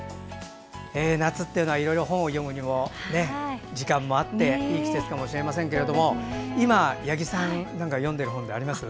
夏っていうのはいろいろ本を読むにも時間があっていい季節かもしれませんけれども今、八木さん何か読んでいる本あります？